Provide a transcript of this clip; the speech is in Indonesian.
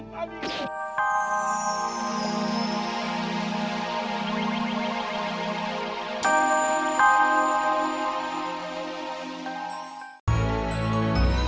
saya bunuh kamu